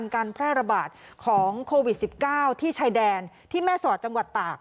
การแพร่ระบาดของโควิด๑๙ที่ชายแดนที่แม่สอดจังหวัดตาก